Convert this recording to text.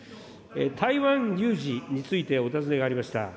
台湾有事についてお尋ねがありました。